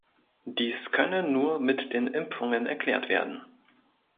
Dies könne nur mit den Impfungen erklärt werden.